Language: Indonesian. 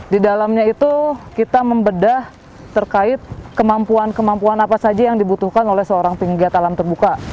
di dalamnya itu kita membedah terkait kemampuan kemampuan apa saja yang dibutuhkan oleh seorang penggiat alam terbuka